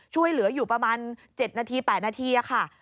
ช่วยเหลืออยู่ประมาณ๗นาที๘นาทีค่ะ